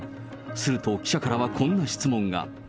すると、記者からはこんな質問が。